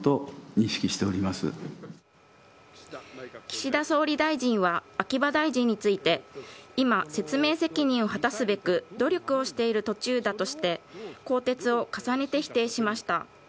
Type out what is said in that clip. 岸田総理大臣は秋葉大臣について今、説明責任を果たすべく努力をしている途中だとして更迭を重ねて否定しました。